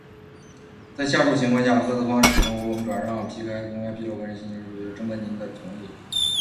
在下述情况下，合作方使用，或我们转让、公开披露您的个人信息无需事先征得您的授权同意：